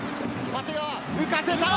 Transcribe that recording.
浮かせた！